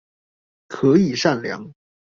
可以善良